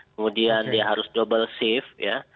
kemudian dia harus double shift ya